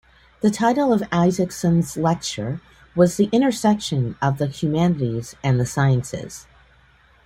The title of Isaacson's lecture was The Intersection of the Humanities and the Sciences.